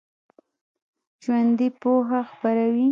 ژوندي پوهه خپروي